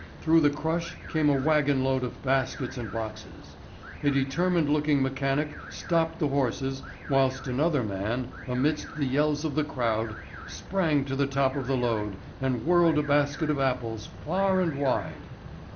Through the crush came a waggon load of baskets and boxes. A determined looking mechanic stopped the horses whilst another man, amidst the yells of the crowd, sprang to the top of the load and whirled a basket of apples far and wide.